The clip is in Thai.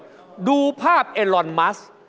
กลับไปก่อนเลยนะครับ